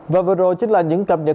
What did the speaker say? và vừa rồi chính là những cập nhật